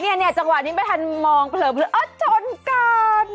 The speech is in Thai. เนี่ยจังหวะนี้ไม่ทันมองเผลอชนเกิน